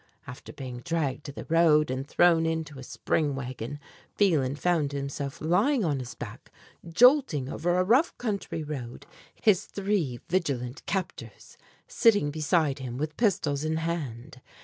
After being dragged to the road and thrown into a spring wagon, Phelan found himself lying on his back, jolting over a rough country road, his three vigilant captors sitting beside him with pistols in hand.